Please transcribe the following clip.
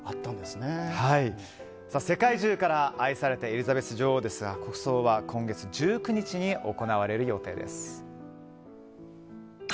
世界中から愛されたエリザベス女王ですが国葬は今月１９日に行われる予定です。